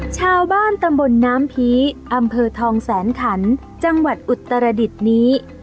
ชาวบ้านตำบลน้ำผีอำเภอทองแสนขันจังหวัดอุตรดิษฐ์นี้